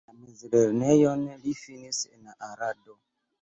La mezlernejon li finis en Arado.